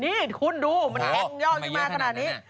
นี่คุณดูมันแทงยอดขึ้นมาขนาดนี้